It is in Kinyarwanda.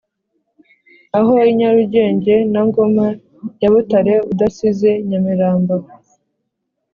aho i nyarugenge na ngoma ya butare udasize nyamirambo